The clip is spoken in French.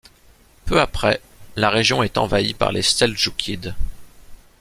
Peu après, la région est envahie par les Seldjoukides.